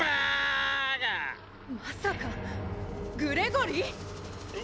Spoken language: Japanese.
まさかグレゴリー⁉う？